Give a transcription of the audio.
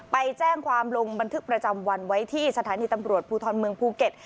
ไปแจ้งความลงบันทึกประจำวันไว้ที่สถานีตำรวจภูทรเมืองภูเก็ต